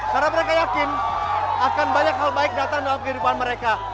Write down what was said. karena mereka yakin akan banyak hal baik datang dalam kehidupan mereka